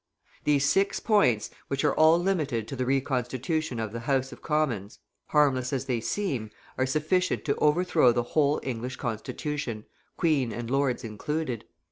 These six points, which are all limited to the reconstitution of the House of Commons, harmless as they seem, are sufficient to overthrow the whole English Constitution, Queen and Lords included.